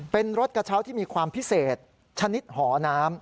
เป็นรถกระเช้าที่มีความพิเศษชนิดหอน้ำ